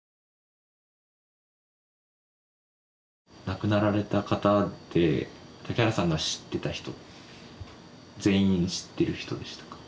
亡くなられた方で竹原さんの知ってた人全員知ってる人でしたか？